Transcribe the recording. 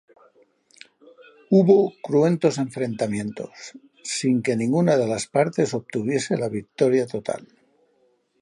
Hubo cruentos enfrentamientos, sin que ninguna de las partes obtuviese la victoria total.